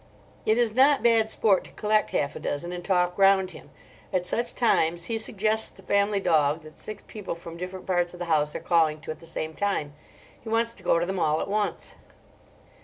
It is not bad sport to collect half a dozen and talk round him. At such times he suggests the family dog that six people from different parts of the house are calling to at the same time. He wants to go to them all at once.